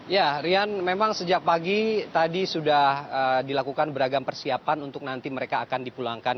ya rian memang sejak pagi tadi sudah dilakukan beragam persiapan untuk nanti mereka akan dipulangkan